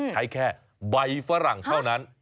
ใช้แค่ใบฝรั่งเท่านั้น